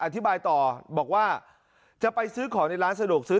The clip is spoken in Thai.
อธิบายต่อบอกว่าจะไปซื้อของในร้านสะดวกซื้อ